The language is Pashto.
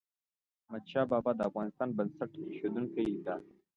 احمد شاه بابا د افغانستان بنسټ ایښودونکی ده.